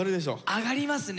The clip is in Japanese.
上がりますね！